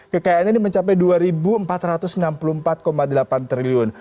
kekayaannya ini mencapai dua empat ratus enam puluh empat delapan triliun